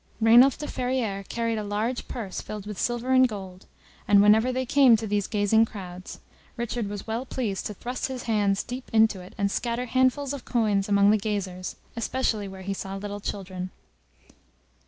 Rainulf de Ferrieres carried a large heavy purse filled with silver and gold, and whenever they came to these gazing crowds, Richard was well pleased to thrust his hands deep into it, and scatter handfuls of coins among the gazers, especially where he saw little children.